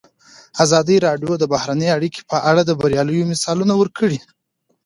ازادي راډیو د بهرنۍ اړیکې په اړه د بریاوو مثالونه ورکړي.